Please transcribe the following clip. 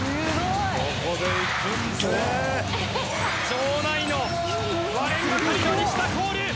場内の割れんばかりの西田コール！